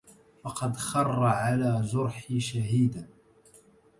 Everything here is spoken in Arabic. فقد خرَّ على جرحي.. شهيدا